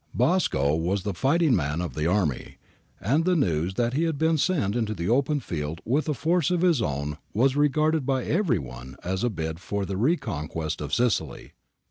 ^ Bosco was the fighting man of the army,^ and the news that he had been sent into the open field with a force of his own was regarded by every one as a bid for the reconquest of Sicily.